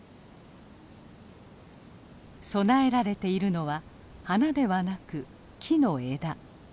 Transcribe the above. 供えられているのは花ではなく木の枝。